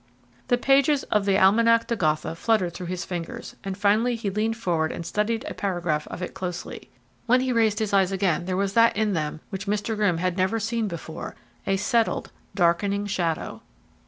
The pages of the Almanac de Gotha fluttered through his fingers, and finally he leaned forward and studied a paragraph of it closely. When he raised his eyes again there was that in them which Mr. Grimm had never seen before a settled, darkening shadow.